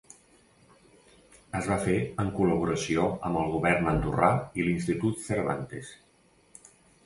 Es va fer en col·laboració amb el govern andorrà i l'Institut Cervantes.